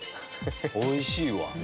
おいしいわ。